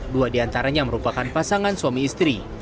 dua di antaranya merupakan pasangan suami istri